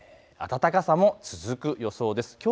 暖かさも続く予想です。